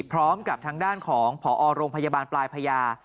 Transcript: พร้อมกับทางด้านของผอโรงพยาบาลปลายพญา